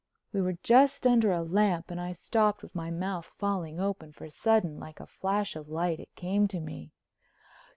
We were just under a lamp and I stopped with my mouth falling open, for sudden, like a flash of light, it came to me.